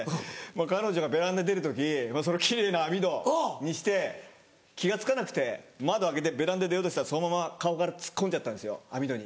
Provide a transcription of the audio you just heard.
彼女がベランダに出る時その奇麗な網戸にして気が付かなくて窓開けてベランダに出ようとしたらそのまま顔から突っ込んじゃったんです網戸に。